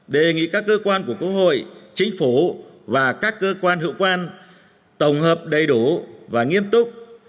đề nghị các cơ quan của quốc hội chính phủ và các cơ quan hữu quan tổng hợp đầy đủ và nghiêm túc